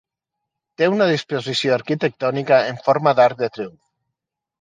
Té una disposició arquitectònica en forma d'arc de triomf.